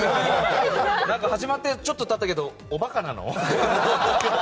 始まってちょっと経ったけどおバカなの？